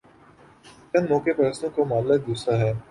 چند موقع پرستوں کا معاملہ دوسرا ہے۔